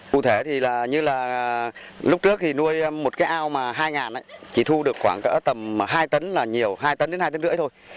cụ thể như lúc trước nuôi một cái ao hai ngàn chỉ thu được khoảng tầm hai tấn là nhiều hai tấn đến hai tấn rưỡi thôi